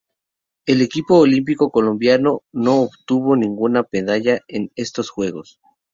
El equipo olímpico colombiano no obtuvo ninguna medalla en estos Juegos.